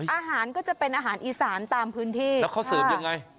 อาหารก็จะเป็นอาหารอีสานตามพื้นที่แล้วเขาเสริมยังไง